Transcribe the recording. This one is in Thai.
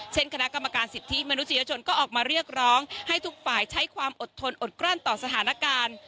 คณะกรรมการสิทธิมนุษยชนก็ออกมาเรียกร้องให้ทุกฝ่ายใช้ความอดทนอดกลั้นต่อสถานการณ์